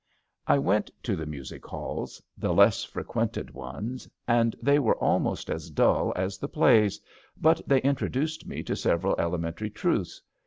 I went to the music halls — ^the less frequented ones — and they were almost as dull as the plays, but they introduced me to several elementary truths.